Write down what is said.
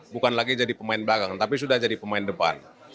bukan lagi jadi pemain belakang tapi sudah jadi pemain depan